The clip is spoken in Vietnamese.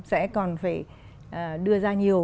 sẽ còn phải đưa ra nhiều